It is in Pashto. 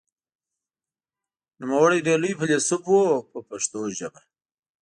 نوموړی ډېر لوی فیلسوف و په پښتو ژبه.